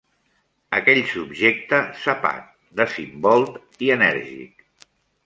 Aquell subjecte sapat, desinvolt i enèrgic.